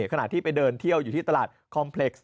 ขณะที่ไปเดินเที่ยวอยู่ที่ตลาดคอมเพล็กซ์